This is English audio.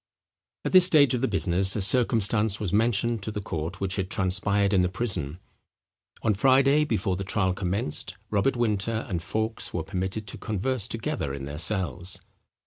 At this stage of the business a circumstance was mentioned to the court which had transpired in the prison. On Friday before the trial commenced Robert Winter and Fawkes were permitted to converse together in their cells.